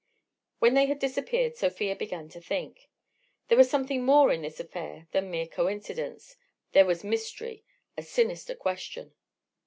When they had disappeared Sofia began to think. There was something more in this affair than mere coincidence, there was mystery, a sinister question.